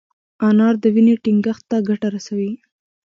انار د وینې ټينګښت ته ګټه رسوي.